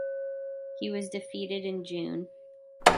He was defeated in June.